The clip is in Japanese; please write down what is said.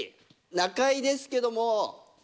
中居ですけれども。